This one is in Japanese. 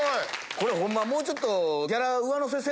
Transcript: これホンマもうちょっと。